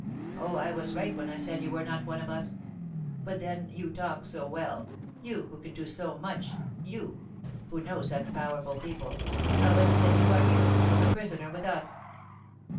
Oh, I was right when I said you were not one of us! But, then, you talk so well, you, who can do so much, you, who know such powerful people, how is it that you are here, a prisoner with us?"